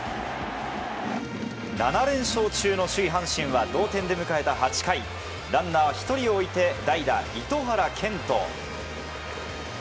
７連勝中の首位、阪神は同点で迎えた８回ランナー１人を置いて代打、糸原健斗。